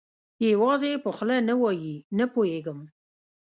یوازې یې په خوله نه وایي، نه پوهېږم.